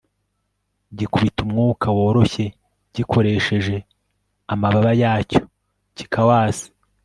gikubita umwuka woroshye gikoresheje amababa yacyo kikawasa